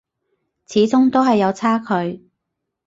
始終都係有差距